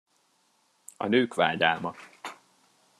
A nők vágyálma.